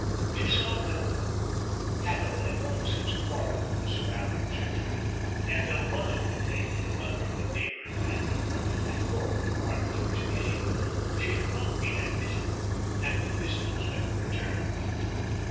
She saw no one. Haddo had long since quarrelled with the surrounding gentry; and though one old lady, the mother of a neighbouring landowner, had called when Margaret first came, she had not been admitted, and the visit was never returned.